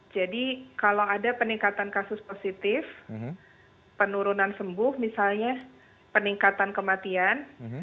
jadi kalau ada peningkatan kasus positif penurunan sembuh misalnya peningkatan kematian